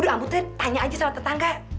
udah amutnya tanya aja sama tetangga